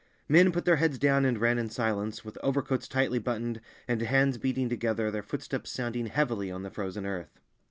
Men put their heads down and ran in silence, with overcoats tightly buttoned, and hands beating together, their footsteps sounding heavily on the frozen earth.